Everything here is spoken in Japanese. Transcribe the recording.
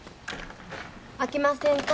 あきませんか？